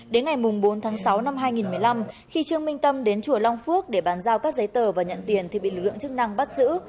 đến ngày bốn tháng sáu năm hai nghìn một mươi năm khi trương minh tâm đến chùa long phước để bàn giao các giấy tờ và nhận tiền thì bị lực lượng chức năng bắt giữ